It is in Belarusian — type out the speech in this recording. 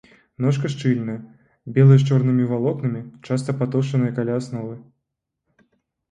Ножка шчыльная, белая з чорнымі валокнамі, часта патоўшчаная каля асновы.